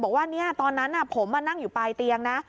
บอกว่าตอนนั้นผมนั่งอยู่ปลายเตียงนะ